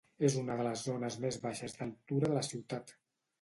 És una de les zones més baixes d'altura de la ciutat.